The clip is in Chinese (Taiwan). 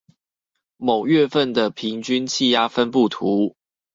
某月份的平均氣壓分佈圖